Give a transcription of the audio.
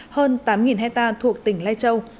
hơn tám hectare thuộc tỉnh lai châu